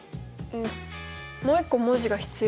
もう１個文字が必要？